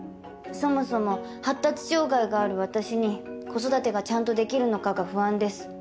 そもそも発達障害がある私に子育てがちゃんとできるのかが不安です。